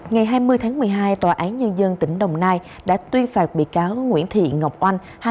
ngày hai mươi tháng một mươi hai tòa án nhân dân tỉnh đồng nai đã tuyên phạt bị cáo nguyễn thị ngọc oanh